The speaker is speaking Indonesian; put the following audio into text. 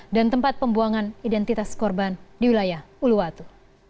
tempat pembuangan identitas korban di wilayah uluwatu